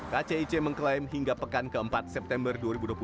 kcic mengklaim hingga pekan keempat september dua ribu dua puluh satu